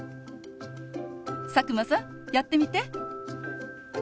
佐久間さんやってみて。